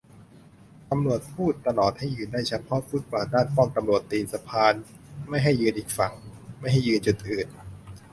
ตำรวจพูดตลอดให้ยืนได้เฉพาะฟุตบาทด้านป้อมตำรวจตีนสะพาน ไม่ให้ยืนอีกฝั่ง ไม่ให้ยืนจุดอื่น